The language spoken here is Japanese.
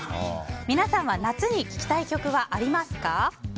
皆さんは夏に聴きたい曲はありますか？